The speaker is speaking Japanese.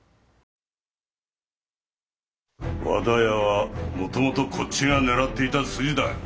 和田屋はもともとこっちが狙っていた筋だ。